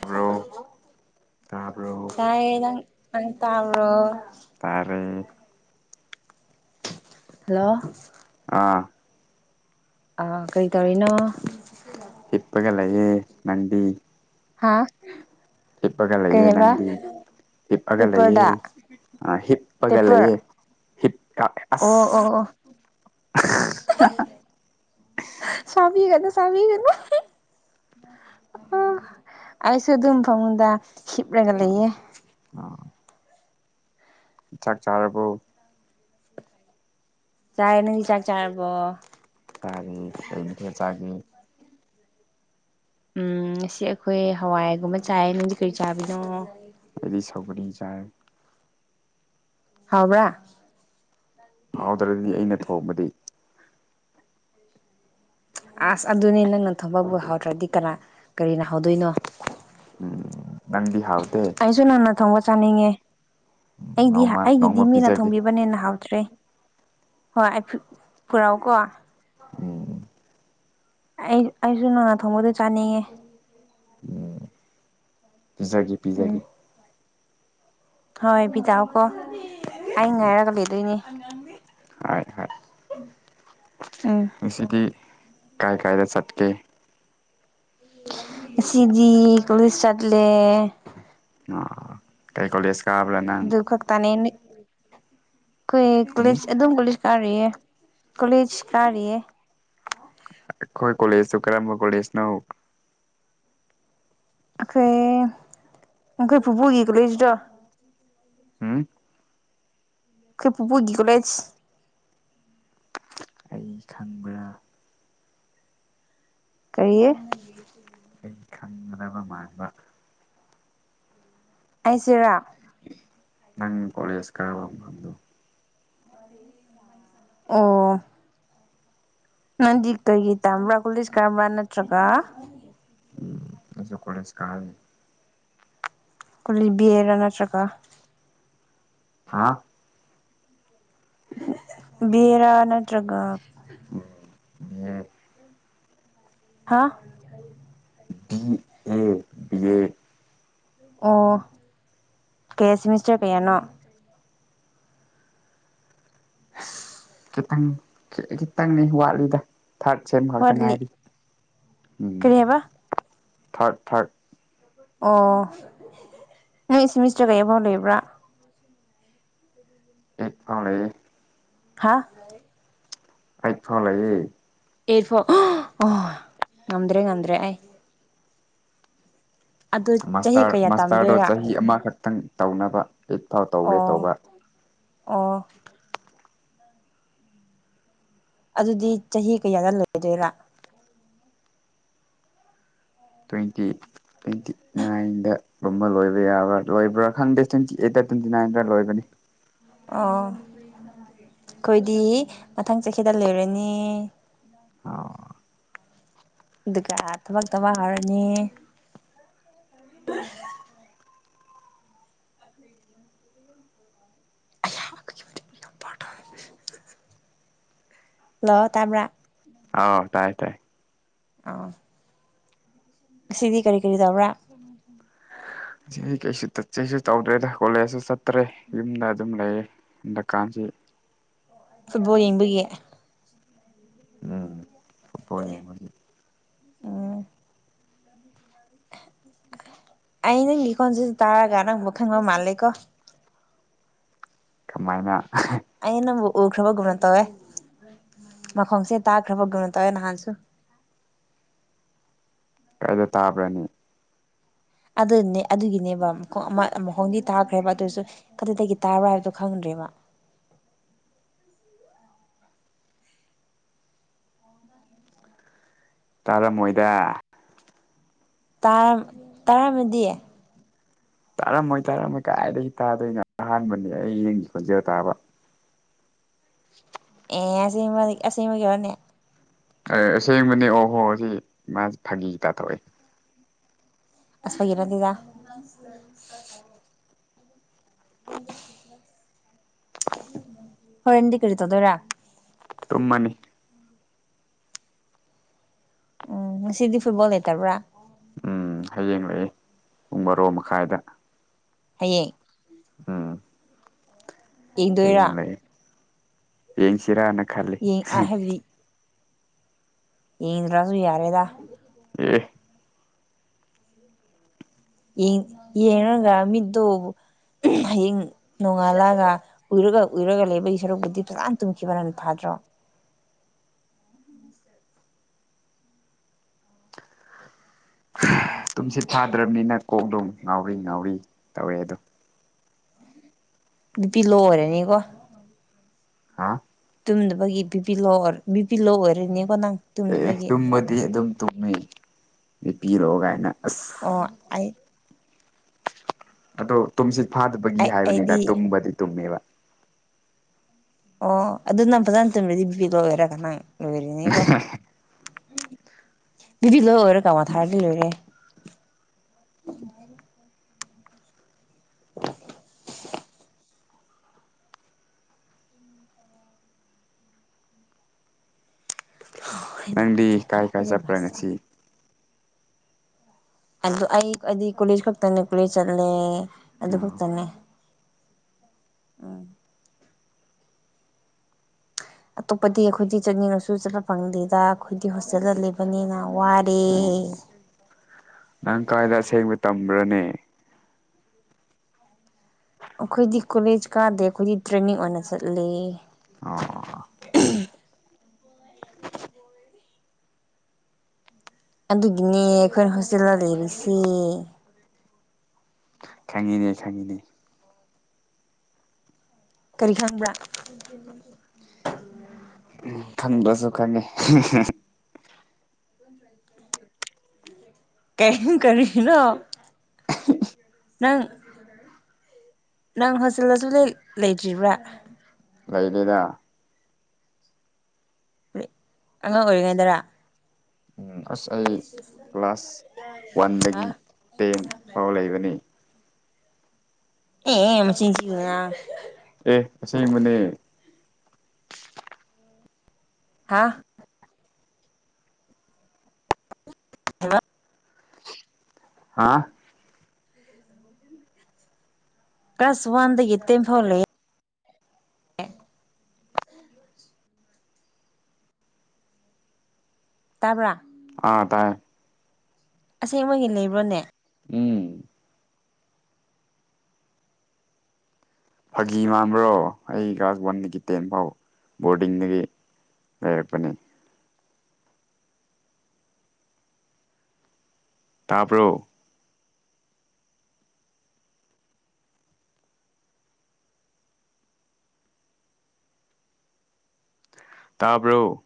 ꯇꯥꯕ꯭ꯔꯣ ꯇꯥꯕ꯭ꯔꯣ ꯇ ꯇꯥꯕ꯭ꯔꯣ ꯇꯥꯔꯦ ꯍꯜꯂꯣ ꯑꯥ ꯑꯥ ꯀꯩ ꯇꯧꯔꯤꯅꯣ ꯆꯄꯒ ꯂꯑꯦ ꯅꯗꯤ ꯍꯥꯥ ꯍꯤꯞꯄꯒ ꯂꯩꯑꯦ ꯅꯪꯗꯤ ꯍꯤꯞꯄꯒ ꯂꯩꯑ ꯄꯦꯄꯔꯗ ꯍꯤꯞꯄꯒ ꯄꯦꯄꯔ ꯂꯩꯑ ꯍꯤꯠꯀ ꯑꯣ ꯑꯣ ꯑꯣ ꯁꯧꯕꯤꯒꯥꯅꯣ ꯁꯧꯕꯤꯒꯥꯅꯣ ꯎꯝ ꯎ ꯑꯩꯁꯨ ꯑꯗꯨꯝ ꯐꯃꯨꯡꯗ ꯍꯤꯞꯂꯒ ꯑꯥ ꯂꯩꯌꯦ ꯑꯥ ꯆꯥꯛ ꯆꯥꯔꯕ ꯆꯥꯏꯦ ꯅ ꯆꯥꯛ ꯆꯥꯔꯕꯣ ꯆꯔꯤ [unintelligible] ꯊꯦ ꯆꯒꯤ ꯎꯝ ꯉꯁꯤ ꯑꯩꯈꯣꯏ ꯍꯋꯥꯏꯒꯨꯝꯕ ꯆꯥꯏ ꯅꯪꯗꯤ ꯀꯔꯤ ꯆꯥꯕꯤꯅꯣ ꯑꯦꯗꯤ ꯁꯒꯔꯤ ꯆꯥꯏ ꯍꯥꯎꯕ꯭ꯔꯥ ꯍꯥꯎꯗ꯭ꯔꯗꯤ ꯑꯩꯅꯥ ꯊꯣꯡꯕꯗꯤ ꯑꯁ ꯑꯗꯨꯅꯤ ꯅꯪꯅꯥ ꯊꯣꯝꯕꯕꯨ ꯍꯧꯎꯗ꯭ꯔꯗꯤ ꯀꯅꯥ ꯀꯔꯤꯅ ꯍꯧꯗꯣꯏꯅꯣ ꯎꯝ ꯅꯪꯗꯤ ꯍꯥꯎꯗꯦ ꯁꯨꯨꯅꯅ ꯊꯣꯉꯣ ꯆꯥꯅꯤꯡꯉꯦ ꯑꯩꯗꯤ ꯅꯣꯡꯃ ꯅꯣꯡꯃ ꯑꯩꯒꯤꯗꯤ ꯃꯤꯅ ꯄꯤꯖꯒꯦ ꯊꯣꯡꯕꯤꯕꯅꯦꯅ ꯍꯥꯎꯇ꯭ꯔꯦ ꯍꯣꯏ ꯑꯩ ꯄꯨꯔꯛ ꯎꯀꯣ ꯑꯣ ꯑꯣ ꯑꯩ ꯑꯩꯁꯨ ꯅꯣꯡꯅꯥ ꯊꯣꯡꯕꯗꯣ ꯆꯥꯅꯤꯡꯉꯦ ꯎꯝ ꯄꯤꯖꯥꯒꯦ ꯄꯤꯖꯥꯒꯦ ꯎꯝ ꯍꯣꯏ ꯕꯤꯤꯗꯥꯎꯀꯣ ꯑꯩ ꯉꯥꯏꯔꯒ ꯂꯩꯗꯣꯏꯅꯦ ꯍꯥꯏ ꯍꯥꯏ ꯎꯝ ꯉꯁꯤꯗꯤ ꯀꯥꯏ ꯀꯥꯏꯗ ꯆꯠꯀꯦ ꯁꯤꯗꯤ ꯀꯂꯤꯁ ꯆꯠꯂꯦ ꯑꯣ ꯀꯥꯏ ꯀꯣꯂꯦꯖ ꯀꯥꯕ꯭ꯔꯥ ꯅꯪ ꯑꯗꯨ ꯈꯛꯇꯅꯦ ꯀꯈꯣꯏ ꯎꯝ ꯀꯁ ꯑꯗꯨꯝ ꯀꯂꯤ ꯀꯥꯔꯤꯦ ꯀꯣꯂꯦꯖ ꯀꯥꯔꯤ ꯑꯩꯈꯣꯏ ꯀꯣꯂꯦꯖꯇꯨ ꯀꯔꯝꯕ ꯀꯣꯂꯦꯖꯅꯣ ꯑꯩꯈꯣꯏ ꯑꯩꯈꯣꯏ ꯐꯨꯕꯣꯒꯤ ꯒꯂꯣꯏꯁꯤꯗꯣ ꯎꯝ ꯑꯩꯣꯏ ꯄꯄꯨꯒꯤ ꯀꯣꯖ ꯑꯩ ꯈꯪꯕ꯭ꯔꯥ ꯀꯔꯤꯌꯦ ꯑꯩ ꯈꯪꯒꯗꯕ ꯃꯥꯟꯕ ꯑꯩꯖꯔꯥ ꯅꯪ ꯀꯣꯂꯦꯖ ꯈꯥꯕ ꯃꯥꯐꯝ ꯗꯣ ꯑ ꯅꯟꯗꯤ ꯀꯣꯏꯒꯤ ꯇꯝꯕ꯭ꯔꯥ ꯀꯨꯂꯁ ꯀꯥꯝꯕ꯭ꯔꯥ ꯅꯠꯇ꯭ꯔꯒ ꯎꯝ ꯑꯩꯁꯨ ꯀꯣꯂꯦꯖ ꯀꯔꯥꯅꯤ ꯀꯨꯂꯤꯕꯤꯦꯔ ꯅꯠꯇ꯭ꯔꯒ ꯍꯥ ꯕꯦꯔꯥ ꯅꯠꯇ꯭ꯔꯒ ꯑꯣ ꯎꯝ [unintelligible] ꯍꯥꯥ ꯎꯝ ꯎꯝ ꯑꯣ ꯀꯌꯥ ꯁꯦꯃꯦꯁꯇꯔ ꯀꯌꯥꯅꯣ ꯈꯤꯇꯪ ꯈꯤꯇꯪꯅꯤ ꯋꯥꯠꯂꯤꯗꯣ ꯊꯥꯔꯠ ꯁꯦꯝ ꯈꯛꯇ ꯋꯥꯠꯂꯤ ꯉꯥꯏꯔꯤ ꯎꯝ ꯀꯔꯤ ꯍꯥꯏꯕ ꯊꯥꯔꯠ ꯊꯥꯔꯠ ꯑꯣ ꯅꯪ ꯏꯁꯤ ꯃꯤꯁꯇꯔꯒꯩꯕꯥꯎ ꯂꯩꯕ꯭ꯔꯥ [inaudible] ꯎꯝ [unintelligible] ꯑꯦ ꯐ ꯂꯩꯌꯦ ꯊꯥ ꯑꯥꯏ ꯐ ꯂꯩꯌꯦ ꯏꯔꯐꯣ ꯑꯣ ꯉꯝꯗ꯭ꯔꯦ ꯉꯝꯗ꯭ꯔꯦ ꯑꯩ ꯑꯗꯨ ꯆꯍꯤ ꯃꯥꯁꯇꯔ ꯀꯌꯥ ꯃꯥꯁꯇꯔꯗꯣ ꯇꯝꯗꯣꯏꯔꯥ ꯆꯍꯤ ꯑꯃꯈꯛꯇꯪ ꯇꯧꯅꯕ ꯑꯩꯠ ꯐꯥꯎ ꯇꯧꯒꯦ ꯇꯧꯕ ꯑ ꯑꯗꯨꯗꯤ ꯆꯍꯤ ꯀꯌꯥꯗ ꯂꯩꯗꯣꯏꯔꯥ ꯇ꯭ꯋꯦꯟꯇꯤ ꯇ꯭ꯋꯦꯟꯇꯤ ꯅꯥꯏꯟꯗ ꯨꯝꯕ ꯂꯣꯏꯕ ꯌꯥꯕ꯭ꯔꯥ ꯂꯣꯏꯕ꯭ꯔꯥ ꯈꯪꯗꯦ ꯇ꯭ꯋꯦꯟꯇꯤ ꯑꯩꯠꯇ ꯇ꯭ꯋꯦꯟꯇꯤ ꯅꯥꯏꯟꯗ ꯂꯣꯏꯕꯅꯤ ꯑꯣ ꯑꯩꯈꯣꯏꯗꯤ ꯃꯊꯪ ꯆꯍꯤꯗ ꯂꯩꯔꯅꯤ ꯍꯧ ꯑꯗꯨꯒ ꯊꯕꯛꯇ ꯋꯥ ꯍꯧꯔꯅꯤ ꯑꯜ ꯍꯥ ꯌ ꯄꯥꯇꯣꯏ ꯍꯜꯂꯣ ꯇꯥꯕ꯭ꯔ ꯍꯧ ꯇꯥꯏ ꯇꯥꯏꯌꯦ ꯑꯣ ꯉꯥꯁꯤꯗꯤ ꯀꯔꯤ ꯀꯔꯤ ꯇꯧꯕ꯭ꯔꯥ ꯑꯁꯤ ꯑꯩ ꯀꯩꯁꯨ ꯆꯠꯆꯦꯁꯨ ꯇꯧꯗ꯭ꯔꯦꯗ ꯀꯣꯂꯦꯖꯁꯨ ꯆꯠꯇ꯭ꯔꯦ ꯌꯨꯝꯗ ꯑꯗꯨꯝ ꯂꯩꯔꯦ ꯍꯟꯗꯛ ꯀꯥꯟꯁꯤ ꯐꯨꯠꯕꯣꯜ ꯌꯦꯡꯕꯒꯤ ꯎꯝ ꯐꯨꯠꯄꯣꯜ ꯌꯦꯡꯕꯥ ꯒꯤ꯫ ꯎ ꯦ [unintelligible] ꯑꯩ ꯅꯪꯒꯤ ꯈꯣꯟꯖꯦꯜ ꯁꯤ ꯇꯥꯔꯒ ꯅꯪꯕꯨ ꯈꯪꯕ ꯃꯥꯜꯂꯦꯀꯣ ꯀꯃꯥꯏꯅꯥ ꯑꯩ ꯅꯪꯕꯨ ꯎꯈ꯭ꯔꯕꯒꯨꯝꯅ ꯇꯧꯋꯦ ꯃꯈꯣꯡꯁꯦ ꯇꯥꯈ꯭ꯔꯕꯒꯨꯝꯅ ꯇꯧꯋꯦ ꯅꯍꯥꯟꯁꯨ ꯀꯥꯏꯗ ꯇꯥꯕ꯭ꯔꯅꯤ ꯑꯗꯨꯅꯦ ꯑꯗꯨꯒꯤꯅꯦꯕ ꯃꯈꯣꯡꯗꯤ ꯊꯥꯈ꯭ꯔꯦꯕ ꯑꯗꯨꯁꯨ ꯑꯗꯨꯗꯒꯤ ꯇ꯭ꯕꯔꯥ ꯍꯥꯏꯕꯥꯗꯣ ꯈꯪꯗ꯭ꯔꯦꯕ ꯃꯥ [unintelligible] ꯇꯥꯔꯝꯃꯣꯏꯗ ꯇꯝ ꯇꯥꯔꯝ ꯃꯗꯤ ꯇꯥꯔꯝꯃꯣꯏ ꯇꯥꯔꯝꯃꯣꯏ ꯀꯥꯏꯗꯒꯤ ꯇꯥꯗꯣꯏꯅꯣ ꯑꯍꯥꯟꯕꯅꯦ ꯑꯩ ꯅꯪꯒꯤ ꯈꯣꯟꯖꯦꯜ ꯇꯥꯕ [inaudible] ꯑꯦ ꯑꯁꯤꯕ ꯑꯁꯤꯕ ꯒꯤꯔꯅꯦ ꯑꯁꯦꯡꯕꯅꯦ ꯑꯣꯍꯣ ꯁꯤ ꯃꯥꯁꯤ ꯐꯥꯒꯤ ꯇꯥꯊꯣꯛꯏꯦ ꯑꯁ ꯏꯔꯗꯤꯗ ꯁ ꯍꯣꯏꯗꯤ ꯀꯔꯤ ꯇꯗꯣꯏꯔꯥ ꯇꯨꯝꯃꯅꯤ ꯎꯝ ꯁꯤꯗꯤ ꯐꯨꯠꯕꯣꯜ ꯂꯩꯦꯇꯔꯕ꯭ꯔꯥ ꯎꯝ ꯍꯌꯦꯡꯡꯂꯛꯏ ꯄꯨꯡ ꯕꯥꯔꯣ ꯃꯈꯥꯏꯗ ꯍꯌꯦꯡ ꯑꯥ ꯍꯦ ꯌꯦꯡꯗꯣꯏꯔꯥ ꯌꯦꯡꯡꯁꯤꯔꯥꯅ ꯌꯦ ꯑꯍꯦꯕꯤ ꯏꯗ꯭ꯔꯁꯨꯏ ꯌꯥꯔꯦꯗ ꯎ ꯎꯝ ꯌꯦ ꯌꯦꯡꯒ ꯃꯤꯠꯇꯡ ꯅꯣꯡꯉꯥꯜꯂꯒ ꯎꯏꯔꯒ ꯎꯏꯔꯒ ꯂꯩꯕꯒꯤ ꯁꯔꯨꯛꯄꯨꯗꯤ ꯐꯖꯥꯟꯅ ꯇꯨꯝꯈꯤꯕ ꯅꯅ ꯐꯥꯗ꯭ꯔꯣ ꯇ ꯇꯨꯝꯁꯤꯠ ꯊꯥꯗ꯭ꯔꯕꯅꯤꯅ ꯀꯣꯛ ꯂꯣꯡ ꯉꯥꯎꯔꯤ ꯉꯥꯎꯔꯤ ꯇꯧꯔꯦ ꯑꯗꯣ ꯅꯨꯄꯤ ꯂꯣ ꯑꯣꯏꯔꯅꯤꯀꯣ ꯍꯧ ꯇꯨꯝꯅꯕꯒꯤ ꯕꯤꯄꯤ ꯂꯣꯔ ꯕꯤꯄꯤ ꯂꯣ ꯑꯣꯏꯔ ꯑꯦ ꯇꯨꯝꯕꯗꯤ ꯑꯗꯨꯝ ꯇꯨꯝꯃꯤꯄꯤꯤꯔꯛꯑꯣ ꯀꯥꯏꯅ ꯑꯁ ꯑꯣ ꯑꯩ ꯑꯗꯣ ꯇꯨꯝꯁꯤ ꯐꯥꯗꯕꯒꯤ ꯑꯩ ꯍꯥꯏꯕꯅꯤꯗ ꯑꯩꯗꯤ ꯇꯨꯝꯕꯗꯤ ꯇꯨꯝꯃꯦꯕ ꯑꯣ ꯑꯗꯨ ꯅꯪ ꯐꯖꯅ ꯇꯨꯝꯕꯤꯗꯤ ꯄꯕꯤ ꯂꯋꯔꯒ ꯅꯪ ꯂꯣꯏꯔꯤꯅꯤꯀꯣ ꯕꯤꯕꯤ ꯂꯣꯏ ꯑꯣꯏꯔꯣ ꯀꯃꯣ ꯊꯥꯔꯗꯤ ꯂꯣꯏꯔꯦ ꯎꯝ ꯅꯪꯗꯤ ꯀꯥꯏ ꯀꯥꯏ ꯆꯠꯄ꯭ꯔꯥ ꯉꯁꯤ ꯑꯗꯨ ꯑꯩ ꯍꯥꯏꯗꯤ ꯀꯣꯂꯦꯖ ꯈꯛꯇꯅꯦ ꯀꯣꯂꯦꯖ ꯆꯠꯂꯦ ꯑꯗꯨ ꯑꯣ ꯈꯛꯇꯅꯦ ꯎꯝ ꯑꯇꯣꯞꯄꯗꯤ ꯑꯩꯈꯣꯏꯗꯤ ꯆꯠꯅꯤꯡꯉꯁꯨ ꯆꯠꯄ ꯐꯪꯗꯦꯗ ꯑꯩꯈꯣꯏꯗꯤ ꯍꯣꯁꯇꯦꯜꯗ ꯂꯩꯕꯅꯤꯅ ꯋꯥꯔꯦ ꯑꯣ ꯅꯪ ꯀꯥꯏꯗ ꯑꯁꯦꯡꯕ ꯇꯝꯕ꯭ꯔꯅꯦ ꯐ ꯑꯩꯈꯣꯏꯗꯤ ꯀꯣꯂꯦꯖ ꯀꯥꯗꯦ ꯑꯩꯈꯣꯏꯗꯤ ꯇ꯭ꯔꯦꯟꯅꯤꯡ ꯑꯣꯏꯅ ꯆꯠꯂ ꯑꯣ ꯑꯗꯨꯒꯤꯅꯦ ꯑꯩꯈꯣꯏꯅ ꯍꯣꯁꯇꯦꯜꯗ ꯂꯩꯔꯤꯁꯤ ꯈꯪꯉꯤꯅꯦ ꯈꯪꯉꯤꯅꯦ ꯀꯔꯤ ꯈꯪꯕ꯭ꯔꯥ ꯈꯪꯕꯁꯨ ꯈꯪꯉꯦ ꯀꯝ ꯀꯔꯤꯅ ꯅꯪ ꯅꯪ ꯍꯣꯁꯦꯜꯗꯁꯨ ꯂꯩꯇ꯭ꯔꯤꯕ꯭ꯔꯥ ꯂꯩꯅꯤꯅ ꯑꯉꯥꯡ ꯑꯣꯏꯔꯤꯉꯩꯗꯔꯥ ꯎꯝ ꯑꯁ ꯑꯩ ꯀ꯭ꯂꯥꯁ ꯍꯥ ꯋꯥꯟꯗꯒꯤ ꯇꯦꯟ ꯐꯥꯎ ꯂꯩꯕꯅꯤ ꯑꯦ ꯃ ꯆꯤꯡꯁꯤ ꯑꯦ ꯉꯁꯥꯏ ꯃꯅꯦ ꯍꯥꯥ ꯍꯂꯣ ꯍꯥꯥ ꯍ ꯀ꯭ꯂ꯭ꯂꯁ ꯋꯥꯟꯗꯗꯒꯤ ꯇꯦꯝ ꯐꯥꯎꯜꯦ ꯇꯥꯕ꯭ꯔꯥ ꯑꯥ ꯇꯥꯏꯌꯦ ꯑꯁꯦꯡꯕ ꯂꯩꯕ꯭ꯔꯣꯅꯦ ꯎꯝ ꯐꯥꯒꯤ ꯃꯥꯟꯕ꯭ꯔꯣ ꯑꯩ ꯀ꯭ꯂꯥꯁ ꯋꯥꯟꯗꯒꯤ ꯇꯦꯟ ꯐꯥꯎ ꯕꯣꯔꯗꯤꯡꯗꯒꯤ ꯂꯩꯔꯛꯄꯅꯤ ꯇꯥꯄꯣ ꯇꯥꯕ꯭ꯔꯣ